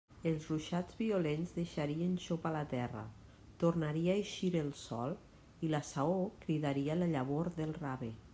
Els ruixats violents deixarien xopa la terra, tornaria a eixir el sol i la saó cridaria la llavor del rave.